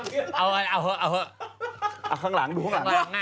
เอาเถอะเอาข้างหลังดูข้างหลัง